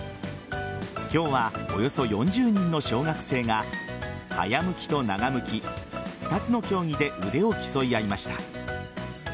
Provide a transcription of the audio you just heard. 今日は、およそ４０人の小学生が早むきと長むき２つの競技で腕を競い合いました。